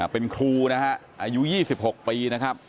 เป็นครูอายุ๒๖ปี